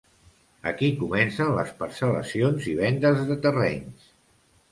Aquí comencen les parcel·lacions i vendes de terrenys.